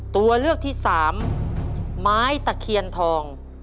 ตัวเลือกที่สามไม้ตะเคียนทอง